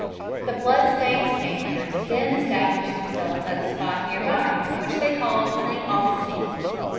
_" The blood stained Spaniards then established themselves at a spot near by, which they called St. Augustine.